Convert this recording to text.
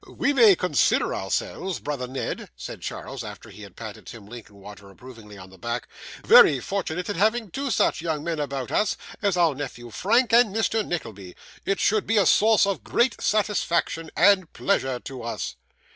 'We may consider ourselves, brother Ned,' said Charles, after he had patted Tim Linkinwater approvingly on the back, 'very fortunate in having two such young men about us as our nephew Frank and Mr. Nickleby. It should be a source of great satisfaction and pleasure to us.